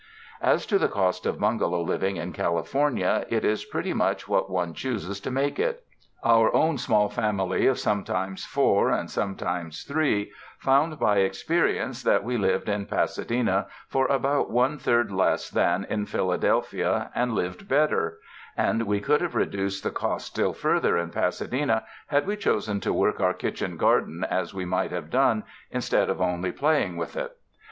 As to the cost of bungalow living in California, it is pretty much what one chgoses to make it. Our own small family of sometimes four, and sometimes three, found by experience that we lived in Pasa dena for about one third less than in Philadelphia and lived better; and we could have reduced the cost still further in Pasadena had we chosen to work our kitchen garden as we might have done instead of only playing with it.